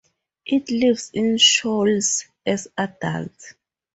It lives in shoals as adults.